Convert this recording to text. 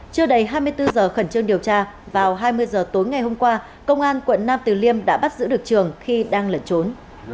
chưa đầy hai mươi bốn giờ khẩn trương điều tra vào hai mươi h tối ngày hôm qua công an quận nam từ liêm đã bắt giữ được trường khi đang lẩn trốn